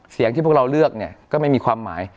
เสียงที่พวกเราเลือกเนี่ยก็ไม่มีความหมาย